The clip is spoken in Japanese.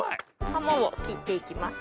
ハモを切って行きます。